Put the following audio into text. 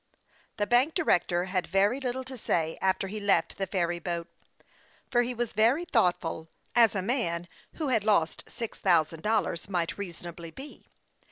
The bank director had very little to say after he left the ferry boat ; but he was very thoughtful, as a man who had lost six thousand dollars might reason ably be.